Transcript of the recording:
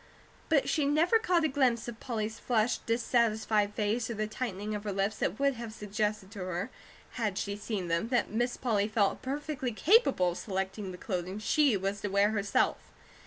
But she never caught a glimpse of Polly's flushed, dissatisfied face or the tightening of her lips that would have suggested to her, had she seen them, that Miss Polly felt perfectly capable of selecting the clothing she was to wear herself.